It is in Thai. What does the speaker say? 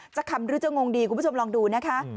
คำหรือจะงงดีคุณผู้ชมลองดูนะคะ